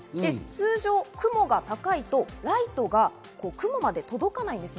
通常、雲が高いとライトが雲まで届かないんです。